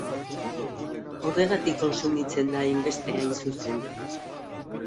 Horregatik kontsumitzen da hainbeste, hain zuzen.